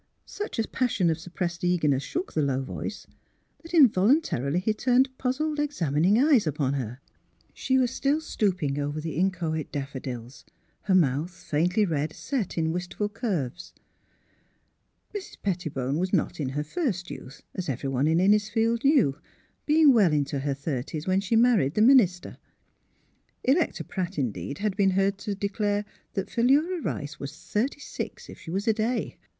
" Such a passion of suppressed eagerness shook the low voice, that involuntarily he turned puzzled, examining eyes upon her. She was still stooping over the inchoate daffodils, her mouth, faintly red, 28 THE HEAET OF PHILUEA set in wistful curves. Mrs. Pettibone was not in her first youth, as everyone in Innisfield knew, being well into her thirties when she married the minister. Electa Pratt, indeed, had been heard to declare that Philura Rice was thirty six, if she was a day.